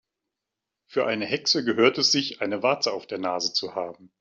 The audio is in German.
Für eine Hexe gehört es sich, eine Warze auf der Nase zu haben.